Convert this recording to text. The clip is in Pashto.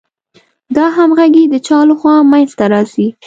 دا همغږي د چا له خوا منځ ته راځي؟